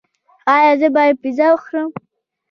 ایا زه باید پیزا وخورم؟